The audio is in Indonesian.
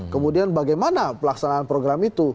kemudian bagaimana pelaksanaan program itu